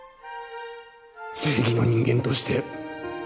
正義の人間として